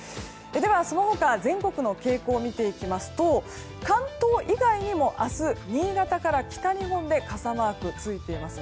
その他全国の傾向を見ていきますと関東以外にも明日、新潟から北日本で傘マークがついています。